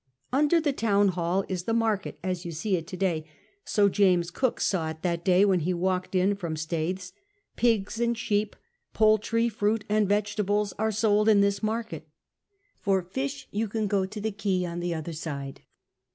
Under the town hall is the market ; as you sec it to dayt, so James Cook saw it that (hiy when lie walked in from Staithes : pigs and sheep, poultry, fruit, and vegetables are sohl in this market. For fisli you can go to the quay on the other side.